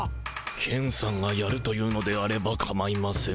ケンさんがやると言うのであればかまいませんが。